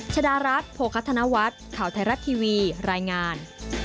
ชดารัฐโภคัธนวัฒน์ข่าวไทยรัฐทีวีรายงาน